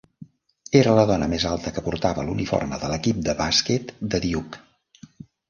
Era la dona més alta que portava l'uniforme de l'equip de bàsquet de Duke.